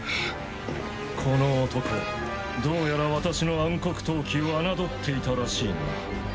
この男どうやら私の暗黒闘気をあなどっていたらしいな。